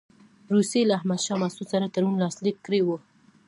روسیې له احمدشاه مسعود سره تړون لاسلیک کړی وو.